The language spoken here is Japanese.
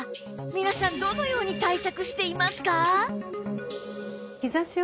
皆さんどのように対策していますか？